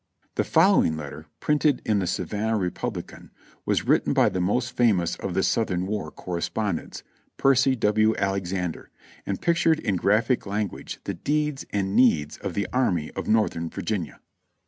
The following letter, printed in the Savannah Republican, was written by the most famous of the Southern war correspondents, Percy W. Alexander, and pictured in graphic language the deeds and needs of the Army of Northern Virginia.